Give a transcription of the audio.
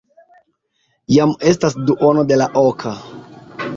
Jam estas duono de la oka.